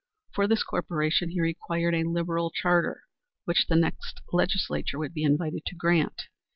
For this corporation he required a liberal charter, which the next legislature would be invited to grant.